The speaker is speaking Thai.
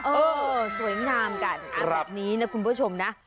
เออสวยงามกันแบบนี้นะคุณผู้ชมนะ